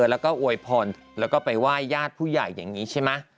แล้วก็อวยพรแล้วก็ไปไหว้ญาติผู้ใหญ่อย่างนี้ใช่ไหม